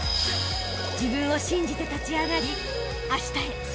［自分を信じて立ち上がりあしたへ